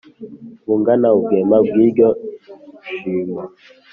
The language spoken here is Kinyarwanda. Bungana ubwema bw'iryo shimo.